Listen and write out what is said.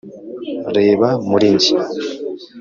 reba muri njye